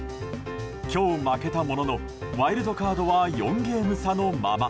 今日、負けたもののワイルドカードは４ゲーム差のまま。